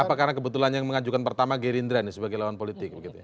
apa karena kebetulan yang mengajukan pertama gerindra sebagai lawan politik